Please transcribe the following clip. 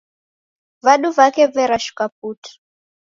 Vadu vake verashuka putu.